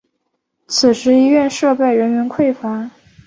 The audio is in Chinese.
此时医院设备人员匮乏。